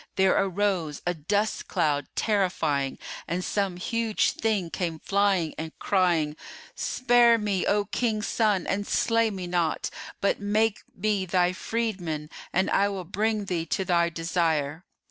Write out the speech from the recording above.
there arose a dust cloud terrifying and some huge thing came flying and crying, "Spare me, O King's son, and slay me not; but make me thy freedman, and I will bring thee to thy desire!"